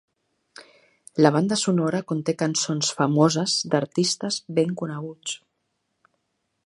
La banda sonora conté cançons famoses d'artistes ben coneguts.